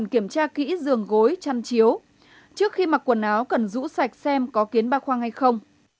kiểm tra kỹ sườn gối chăn chiếu trước khi mặc quần áo cần rũ sạch xem có kiến ba khoang hay không